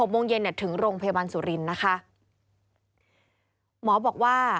๖โมงเย็นถึงโรงพยาบาลสุรินทร์นะคะ